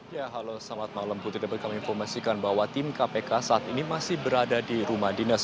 ya halo selamat malam putri dapat kami informasikan bahwa tim kpk saat ini masih berada di rumah dinas